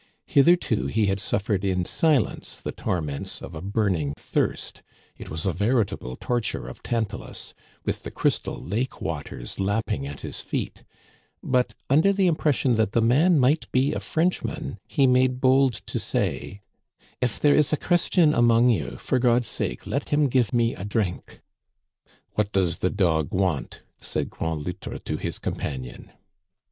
Hitherto he had suffered in silence the tor ments of a burning thirst It was a veritable torture of Tantalus, with the crystal lake waters lapping at his feet, but, under the impression that the man might be a Frenchman, he made bold to say :" If there is a Christian among you, for God's sake let him give me a drink." *' What does the dog want ?" said Grand Loutre to his companion.